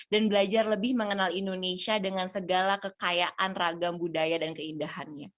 dan belajar lebih mengenal indonesia dengan segala kekayaan ragam budaya dan keindahan